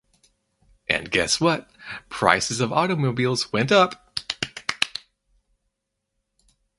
And guess what, prices of automobiles went up.